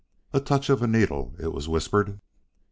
A touch of a needle, it was whispered....